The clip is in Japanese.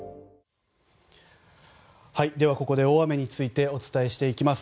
では、ここで大雨についてお伝えしていきます。